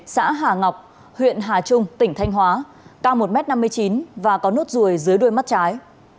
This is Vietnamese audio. xã hà ngọc huyện hà trung tỉnh thanh hóa cao một m năm mươi chín và có nốt ruồi dưới đôi mắt trái